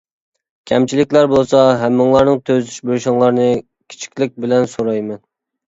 كەمچىلىكلەر بولسا ھەممىڭلارنىڭ تۈزىتىش بېرىشىڭلارنى كىچىكلىك بىلەن سورايمەن.